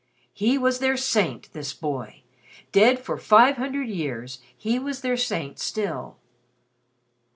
He was their saint this boy! Dead for five hundred years, he was their saint still.